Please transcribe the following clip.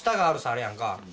あるやんか。